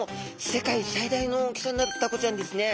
世界最大の大きさになるタコちゃんですね。